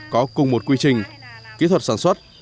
có cùng một quy trình kỹ thuật sản xuất